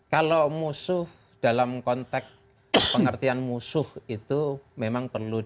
kalau musuh dalam konteks pengertian musuh itu memang perlu diperhati